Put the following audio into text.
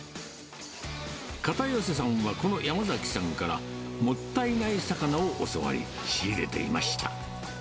片寄さんはこの山崎さんから、もったいない魚を教わり、仕入れていました。